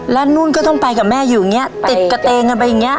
แล้วนุ่นก็ต้องไปกับแม่อยู่อย่างนี้ติดกระเตงกันไปอย่างเงี้